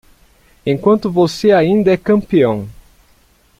Enquanto você ainda é campeão!